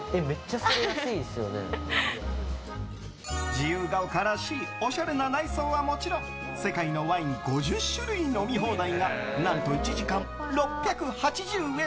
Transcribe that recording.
自由が丘らしいおしゃれな内装はもちろん世界のワイン５０種類飲み放題が何と１時間６８０円。